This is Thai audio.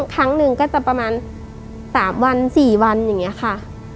ครั้งหนึ่งก็จะประมาณ๓วัน๔วันอย่างนี้ค่ะ